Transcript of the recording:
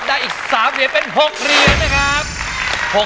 ได้อีก๓เดี๋ยวเป็น๖เดี๋ยวนะครับ